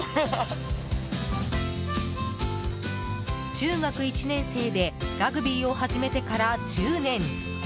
中学１年生でラグビーを始めてから１０年。